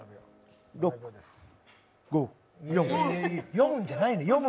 読むんじゃないの。